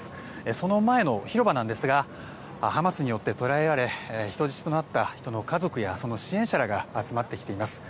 その前の広場なんですがハマスによって捕らえられ人質となった人の家族やその支援者らが集まってきています。